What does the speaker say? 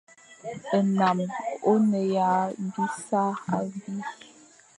Nnam o ne ya bisa abi.